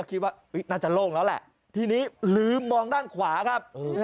คิดว่าน่าจะโล่งแล้วแหละทีนี้ลืมมองด้านขวาครับ